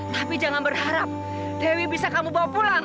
tapi jangan berharap dewi bisa kamu bawa pulang